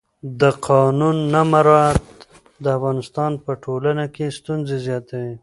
د قانون نه مراعت د افغانستان په ټولنه کې ستونزې زیاتوي